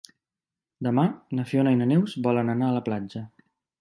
Demà na Fiona i na Neus volen anar a la platja.